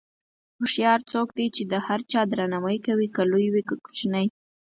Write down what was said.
هوښیار څوک دی چې د هر چا درناوی کوي، که لوی وي که کوچنی.